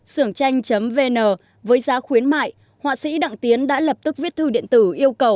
sưởng tranh vn với giá khuyến mại họa sĩ đặng tiến đã lập tức viết thư điện tử yêu cầu